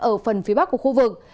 ở phần phía bắc của khu vực